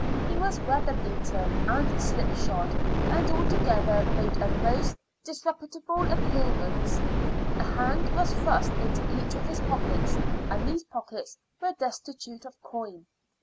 He was weather beaten and slipshod, and altogether made a most disreputable appearance. A hand was thrust into each of his pockets, and these pockets were destitute of coin.